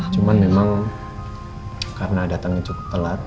cuman memang karena datangnya cukup telat